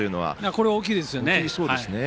これ大きいですよね。